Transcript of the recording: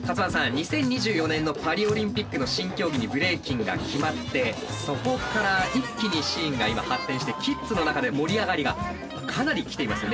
２０２４年のパリ・オリンピックの新競技にブレイキンが決まってそこから一気にシーンが今発展してキッズの中で盛り上がりがかなりきていますよね